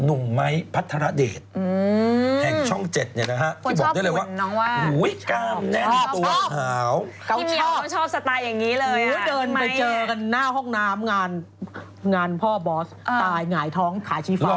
อื้อเดินไปเจอกันหน้าห้องน้ำงานพ่อบอสตายหงายท้องขาชีฟ้า